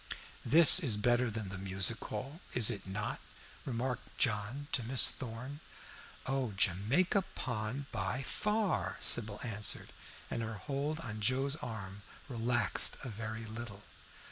"This is better than the Music Hall, is it not?" remarked John to Miss Thorn. "Oh, Jamaica Pond, by far," Sybil answered, and her hold on Joe's arm relaxed a very little.